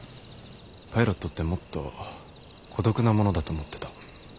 パイロットってもっと孤独なものだと思ってた。